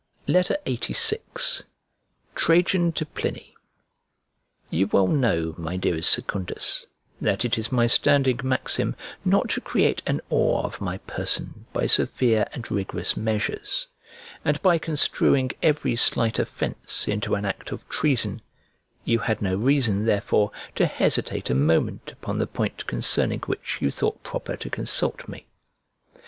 LXXXVI TRAJAN TO PLINY You well know, my dearest Secundus, that it is my standing maxim not to create an awe of my person by severe and rigorous measures, and by construing every slight offence into an act of treason; you had no reason, therefore, to hesitate a moment upon the point concerning which you thought proper to consult me.